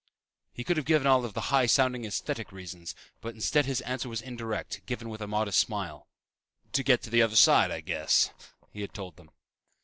He could have given all of the high sounding, aesthetic reasons, but instead his answer was indirect, given with a modest smile. "To get to the other side, I guess," he had told them.